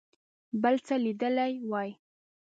بل څه لیدلي وای.